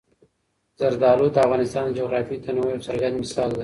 زردالو د افغانستان د جغرافیوي تنوع یو څرګند مثال دی.